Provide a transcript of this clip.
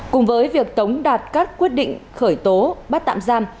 cùng với việc tống đạt các quyết định khởi tố bắt tạm giam